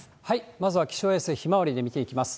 まずは気象衛星ひまわりで見ていきます。